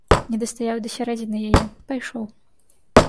Не дастаяў і да сярэдзіны яе, пайшоў.